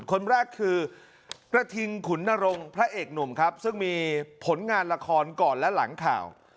คนแรกคือกระทิงขุนนรงพระเอกหนุ่มครับซึ่งมีผลงานละครก่อนและหลังข่าว